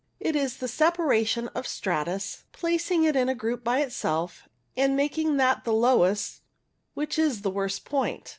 It is the separation of stratus — placing it in a group by itself, and making that the lowest — which is the worst point.